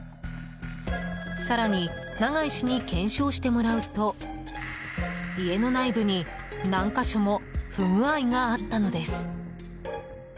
更に、長井氏に検証してもらうと家の内部に何か所も不具合があったのです。